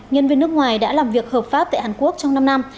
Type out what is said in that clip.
nhân viên nước ngoài đã làm việc hợp pháp tại hàn quốc trong năm năm